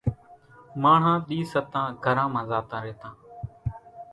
ماڻۿان ۮِي ستان گھران مان زاتان ريتان۔